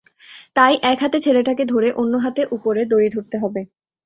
তাই, এক হাতে ছেলেটাকে ধরে, অন্য হাতে উপরে দড়ি ধরতে হবে।